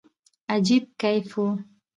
عجيب کيف وو.